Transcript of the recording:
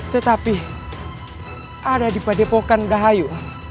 tetapi ada di padepokan dahayu